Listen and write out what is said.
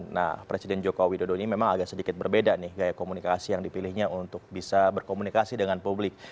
nah presiden joko widodo ini memang agak sedikit berbeda nih gaya komunikasi yang dipilihnya untuk bisa berkomunikasi dengan publik